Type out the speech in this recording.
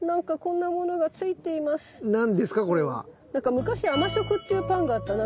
昔甘食っていうパンがあったな